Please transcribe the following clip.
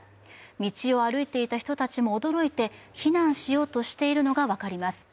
道を歩いていた人たちも驚いて避難しようとしているのが分かります。